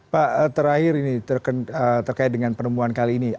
pak terakhir ini terkait dengan penemuan kali ini